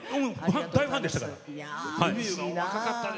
大ファンでしたから。